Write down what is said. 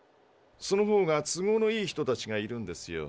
そのほうが都合のいい人たちがいるんですよ。